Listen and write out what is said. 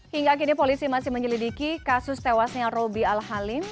hingga kini polisi masih menyelidiki kasus tewasnya roby al halim